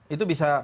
itu bisa kelihatan